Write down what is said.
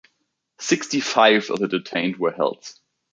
Sixty-five of the detained were held.